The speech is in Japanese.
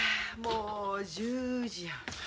もう１０時や。